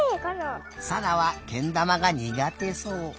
さなはけんだまがにがてそう。